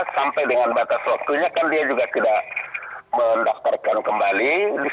sampai dengan batas waktunya kan dia juga tidak mendaftarkan kembali